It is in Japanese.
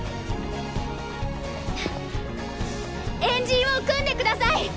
円陣を組んでください！